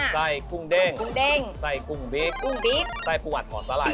ใส้กุ้งเด้งใส้กุ้งบิ๊กใส้ปวดหอสลาย